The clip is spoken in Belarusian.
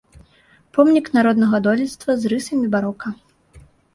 Помнік народнага дойлідства з рысамі барока.